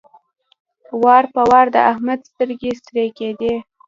وار په وار د احمد سترګې سرې کېدې.